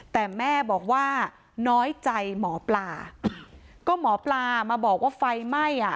แต่แม่บอกว่าน้อยใจหมอปลาก็หมอปลามาบอกว่าไฟไหม้อ่ะ